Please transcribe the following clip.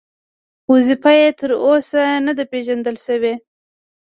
وظیفه یې تر اوسه نه ده پېژندل شوې.